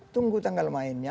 tunggu tanggal mainnya